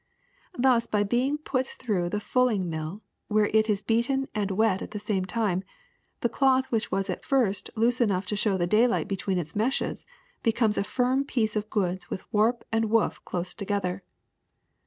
Thus by being put through the fulling mill, where it is beaten and wet at the same time, the cloth which was at first loose enough to show the daylight between its meshes, becomes a firm piece of goods with warp and woof close together.